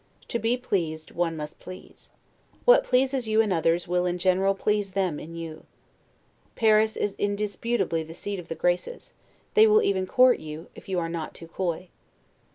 To be pleased one must please. What pleases you in others, will in general please them in you. Paris is indisputably the seat of the GRACES; they will even court you, if you are not too coy.